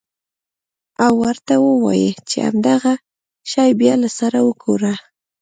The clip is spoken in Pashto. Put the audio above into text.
او ورته ووايې چې همدغه شى بيا له سره وکره.